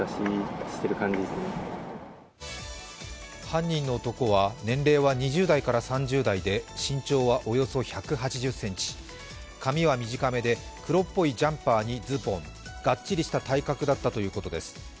犯人の男は年齢は２０代から３０代で身長はおよそ１８０ｃｍ、髪は短めで黒っぽいジャンパーにズボン、がっちりした体格だったということです。